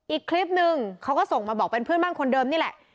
อีกคลิปนึงเขาก็ส่งมาบอกเป็นเพื่อนบ้านคนเดิมนี่แหละ